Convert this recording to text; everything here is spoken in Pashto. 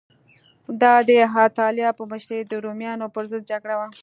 دا د اتیلا په مشرۍ د رومیانو پرضد جګړه وه